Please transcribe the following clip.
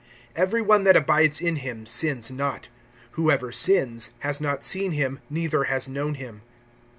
(6)Every one that abides in him sins not; whoever sins has not seen him, neither has known him.